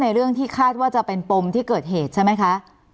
เรื่องที่คาดว่าจะเป็นปมที่เกิดเหตุใช่ไหมคะ